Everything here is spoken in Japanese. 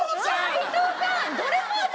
齋藤さん！